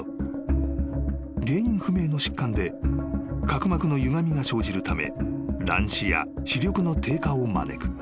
［原因不明の疾患で角膜のゆがみが生じるため乱視や視力の低下を招く］